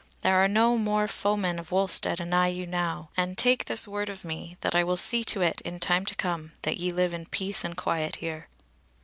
there are no more foemen of Wulstead anigh you now; and take this word of me, that I will see to it in time to come that ye live in peace and quiet here."